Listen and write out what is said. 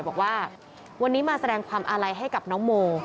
บอกว่าวันนี้มาแสดงความอาลัยให้กับน้องโม